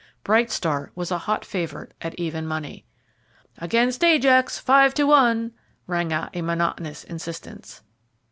Bright Star was a hot favourite at even money. "Against Ajax, five to one," rang out with a monotonous insistence.